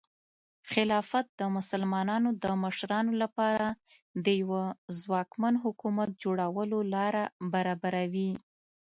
خلافت د مسلمانانو د مشرانو لپاره د یوه ځواکمن حکومت جوړولو لاره برابروي.